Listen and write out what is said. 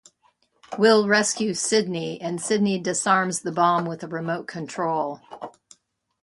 Will rescues Sydney and Sydney disarms the bomb with a remote control.